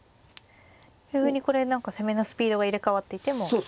急にこれ何か攻めのスピードが入れ代わっていてもおかしくない。